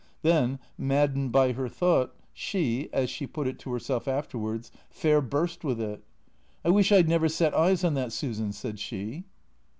Then, maddened by her thought, she (as she put it to herself afterwards) fair burst with it. " I wish I 'd never set eyes on that Susan !" said she.